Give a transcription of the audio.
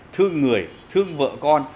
thương người thương vợ con